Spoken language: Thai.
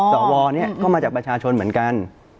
สวนี้ก็มาจากประชาชนเหมือนกัน